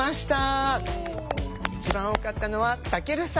一番多かったのはたけるさん。